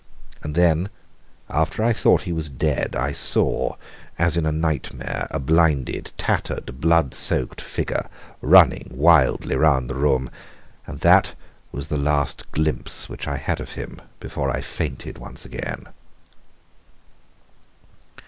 And then, after I thought that he was dead, I saw, as in a nightmare, a blinded, tattered, blood soaked figure running wildly round the room and that was the last glimpse which I had of him before I fainted once again.